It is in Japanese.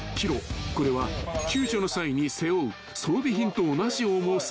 ［これは救助の際に背負う装備品と同じ重さ］